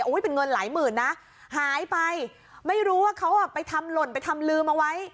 เป็นเงินหลายหมื่นนะหายไปไม่รู้ว่าเขาอ่ะไปทำหล่นไปทำลืมเอาไว้